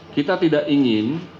kita tidak ingin